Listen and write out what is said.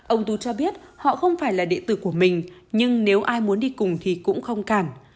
ông tú cho biết họ không phải là địa tử của mình nhưng nếu ai muốn đi cùng thì cũng không cản